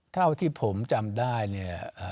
เท่าที่ผมจำได้เนี่ย